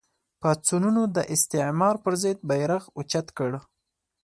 پاڅونونو د استعمار پر ضد بېرغ اوچت کړ